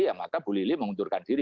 ya maka bu lili mengundurkan diri